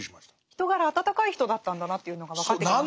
人柄温かい人だったんだなっていうのが分かってきましたね。